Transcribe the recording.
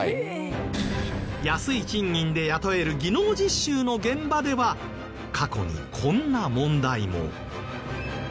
安い賃金で雇える技能実習の現場では過去にこんな問題も。